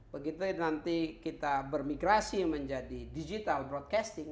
begitu nanti kita bermigrasi menjadi digital broadcasting